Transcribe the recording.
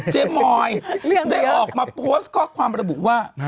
มอยได้ออกมาโพสต์ข้อความระบุว่า